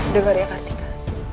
dengar ya kartika